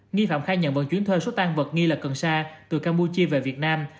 nghi phạm khai nhận vận chuyển thuê số tan vật nghi là cần sa từ campuchia về việt nam